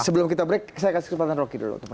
sebelum kita break saya kasih kesempatan roky dulu